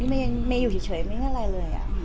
เมย์อยู่เฉยไม่อะไรเลย